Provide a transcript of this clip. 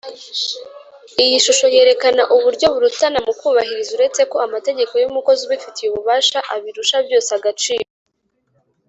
iyishusho yerekana uburyo burutana mukubahirizwa uretse ko amategeko y’umukozi ubifitiye ububasha abirusha byose agaciro